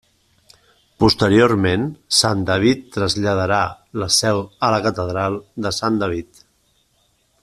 Posteriorment, sant David traslladarà la seu a la catedral de Sant David.